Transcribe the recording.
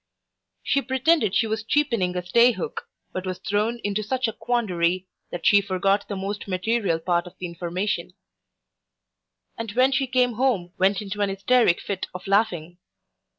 She pretended she was cheapening a stay hook, but was thrown into such a quandary, that she forgot the most material part of the information; and when she came home, went into an hysteric fit of laughing.